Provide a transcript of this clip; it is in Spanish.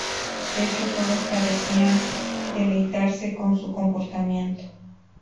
De hecho todos parecían deleitarse con su comportamiento.